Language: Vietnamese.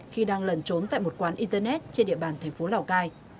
khi đang lần trốn tại một quán internet trên địa bàn tp lào cai